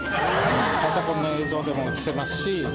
パソコンの映像でも映せますし。